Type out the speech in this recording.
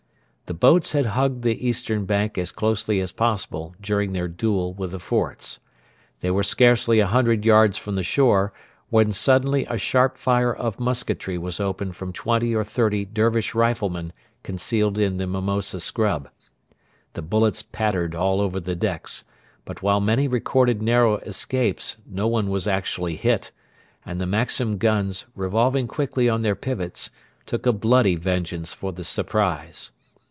The boats had hugged the eastern bank as closely as possible during their duel with the forts. They were scarcely a hundred yards from the shore, when suddenly a sharp fire of musketry was opened from twenty or thirty Dervish rifle men concealed in the mimosa scrub. The bullets pattered all over the decks, but while many recorded narrow escapes no one was actually hit, and the Maxim guns, revolving quickly on their pivots, took a bloody vengeance for the surprise.